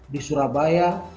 di sepak bola